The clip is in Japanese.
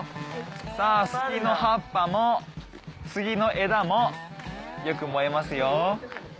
さぁ杉の葉っぱも杉の枝もよく燃えますよ。